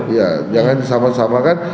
iya jangan disamasamakan